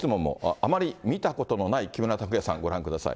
あまり見たことのない木村拓哉さん、ご覧ください。